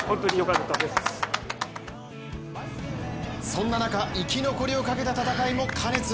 そんな中、生き残りをかけた戦いも過熱。